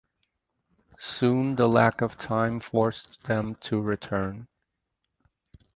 Soon the lack of time forced them to return.